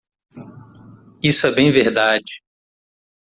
Isso é bem verdade.